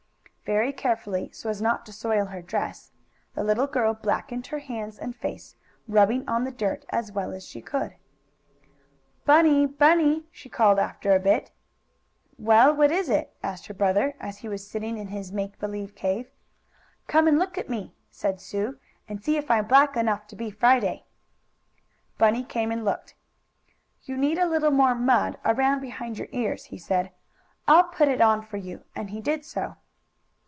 Very carefully, so as not to soil her dress, the little girl blackened her hands and face, rubbing on the dirt as well as she could. "Bunny! Bunny!" she called after a bit. "Well, what is it?" asked her brother, as he was sitting in his make believe cave. "Come and look at me," said Sue, "and see if I'm black enough to be Friday." Bunny came and looked. "You need a little more mud around behind your ears," he said. "I'll put it on for you," and he did so.